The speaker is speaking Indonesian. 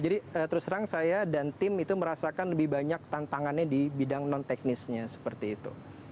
jadi terus terang saya dan tim itu merasakan lebih banyak tantangannya di bidang non teknisnya seperti itu